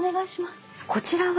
こちらは。